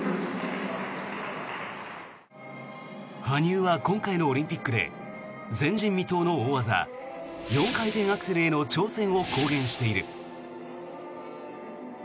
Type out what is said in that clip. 羽生は今回のオリンピックで前人未到の大技４回転アクセルへの挑戦を公言している。